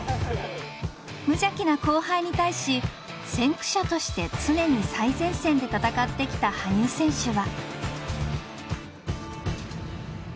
無邪気な後輩に対し先駆者として常に最前線で戦ってきた羽生選手は。